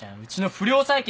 不良債権！？